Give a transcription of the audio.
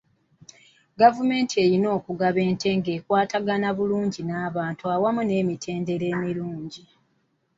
Gavumenti erina okugaba ente nga ekwatagana bulungi n'abantu awamu n'emitendera emirungi .